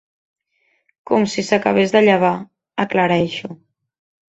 Com si s'acabés de llevar —aclareixo.